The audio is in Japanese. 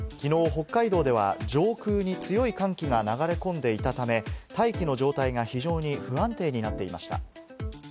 北海道では上空に強い寒気が流れ込んでいたため、大気の状態が非常に不安定になっていました。